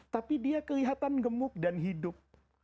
tapi dia kelihatan gemuk dan hidup